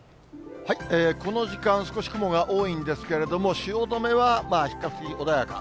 この時間、少し雲が多いんですけれども、汐留は、比較的穏やか。